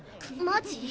マジ？